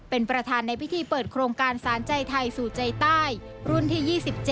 เป็นประธานในพิธีเปิดโครงการสารใจไทยสู่ใจใต้รุ่นที่๒๗